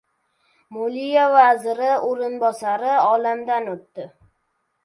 Moliya vaziri o‘rinbosari olamdan o‘tdi